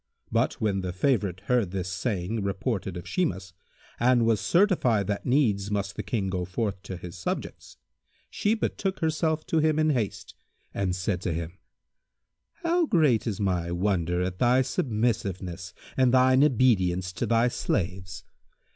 But, when the favourite heard this saying reported of Shimas and was certified that needs must the King go forth to his subjects, she betook herself to him in haste and said to him, "How great is my wonder at thy submissiveness and thine obedience to thy slaves!